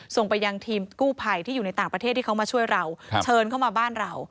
ส่งไปยังทีมกู้ภัยที่อยู่ในต่างประเทศที่เขามาช่วยเราเชิญเข้ามาบ้านเรา